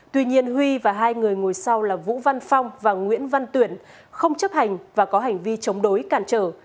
tuy nhiên huy và hai người ngồi sau là vũ văn phong và nguyễn văn tuyển không chấp hành và có hành vi chống đối cản trở